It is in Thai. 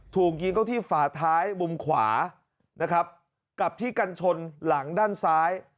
ถูกยิงเกาะที่ฝาท้ายบุมขวากับที่กันชนหลังด้านซ้าย